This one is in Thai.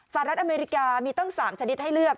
สหรัฐอเมริกามีตั้ง๓ชนิดให้เลือก